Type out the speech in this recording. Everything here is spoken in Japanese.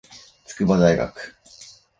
筑波大学